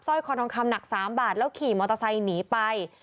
คอทองคำหนัก๓บาทแล้วขี่มอเตอร์ไซค์หนีไป